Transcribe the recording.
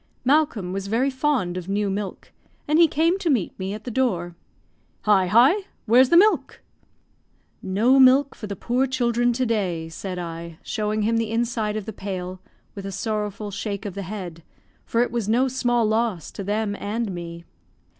Malcolm was very fond of new milk, and he came to meet me at the door. "Hi! hi! Where's the milk?" "No milk for the poor children to day," said I, showing him the inside of the pail, with a sorrowful shake of the head, for it was no small loss to them and me.